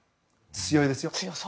強いですよ。